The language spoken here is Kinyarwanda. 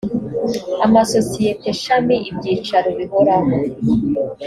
amasosiyete shami ibyicaro bihoraho